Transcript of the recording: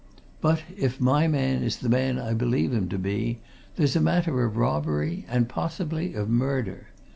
But if my man is the man I believe him to be, there's a matter of robbery, and possibly of murder.